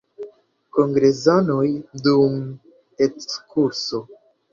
Kongresanoj dum ekskurso.